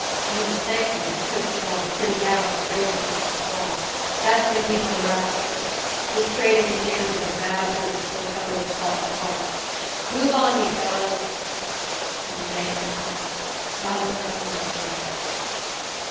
You must thank me by coaxing all the pretty gals to go with me next fall. That's going to be my last trip. This trading in niggers is a bad business for a fellow that's got any heart. Move on, you fellows!" And the gang went on, God alone knows where.